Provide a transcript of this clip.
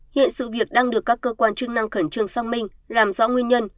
hiện sự việc đang được các cơ quan chức năng khẩn trương xăng minh làm rõ nguyên nhân